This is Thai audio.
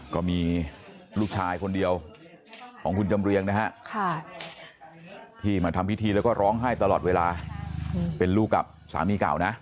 ก็มีลูกชายคนเดียวของคุณจำเรียงนะฮะที่มาทำพิธีแล้วก็ร้องไห้ตลอดเวลาเป็นลูกกับสามีเก่านะ